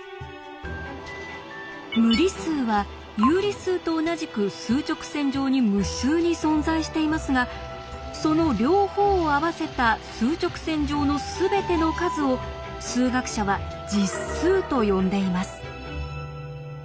無理数は有理数と同じく数直線上に無数に存在していますがその両方を合わせた数直線上のすべての数を数学者は「実数」と呼んでいます。